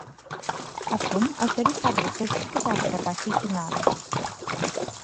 Acum aș dori să adresez câteva observații finale.